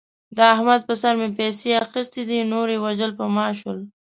د احمد په سر مې پیسې اخستې دي. نور یې وژل په ما شول.